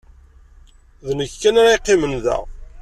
D nekk kan ara yeqqimen da.